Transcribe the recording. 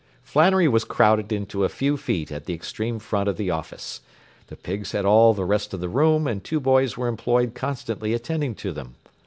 ” Flannery was crowded into a few feet at the extreme front of the office. The pigs had all the rest of the room and two boys were employed constantly attending to them.